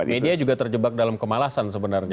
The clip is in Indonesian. media juga terjebak dalam kemalasan sebenarnya